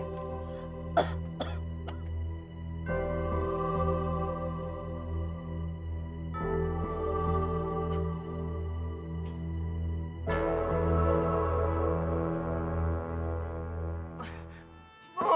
hanya tinggal menuruti perintah saya